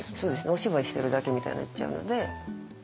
お芝居してるだけみたいになっちゃうので。